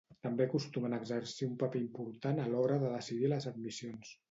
També acostumen a exercir un paper important a l'hora de decidir les admissions.